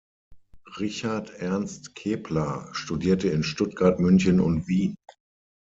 Richard Ernst Kepler studierte in Stuttgart, München und Wien.